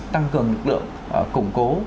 tăng cường lực lượng củng cố